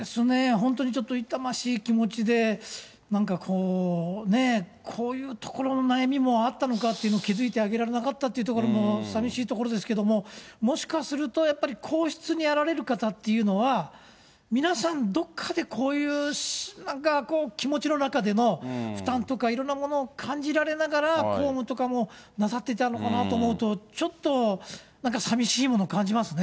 本当にちょっと痛ましい気持ちで、なんかこう、こういうところの悩みもあったのかというのを気付いてあげられなかったというのもさみしいところですけども、もしかするとやっぱり、皇室にあられる方っていうのは、皆さんどっかでこういう気持ちの中での負担とか、いろんなものを感じられながら、公務とかもなさっていたのかなと思うと、ちょっとなんかさみしいものを感じますね。